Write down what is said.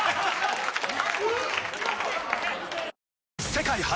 世界初！